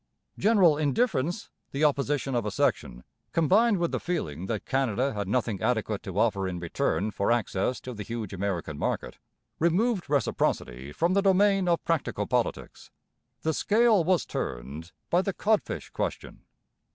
General indifference, the opposition of a section, combined with the feeling that Canada had nothing adequate to offer in return for access to the huge American market, removed reciprocity from the domain of practical politics. The scale was turned by the codfish question.